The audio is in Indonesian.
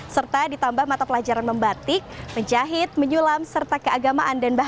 serta ditambah mata pelajaran membatik menjahit menyulam serta keagamaan dan bahaya